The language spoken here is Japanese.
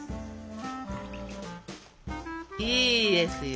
いいですよ。